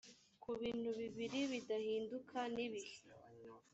ku bintu bibiri bidahinduka nibihe